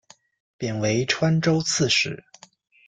贬为川州刺史。